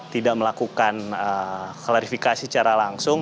tidak melakukan klarifikasi secara langsung